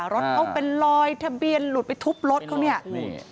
รถเขาเป็นลอยทะเบียนหลุดไปทุบรถเขาเนี่ย